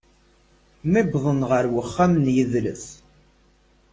Mi wwḍen ɣer uxxam n yidles.